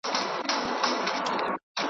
کرنه د هېواد اقتصاد پیاوړی کوي.